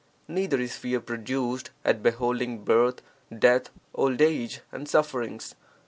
Neither is fear produced at beholding birth, death, old age, and sufferings.